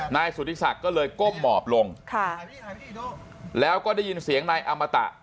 นายสุธิศักดิ์ก็เลยก้มหมอบลงค่ะแล้วก็ได้ยินเสียงนายอมตะ